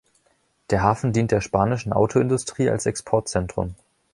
Der Hafen dient der spanischen Autoindustrie als Exportzentrum.